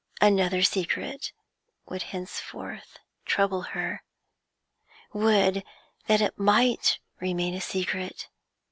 Another secret would henceforth trouble her. Would that it might remain a secret!